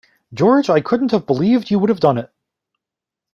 George, I couldn't have believed you would have done it!